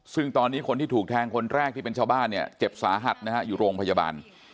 ซึ่งตอนนี้คนที่ถูกแทงคนแรกที่เป็นชาวบ้านเนี่ยเจ็บสาหัสนะฮะอยู่โรงพยาบาล